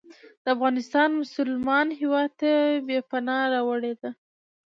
د افغانستان مسلمان هیواد ته یې پناه راوړې ده.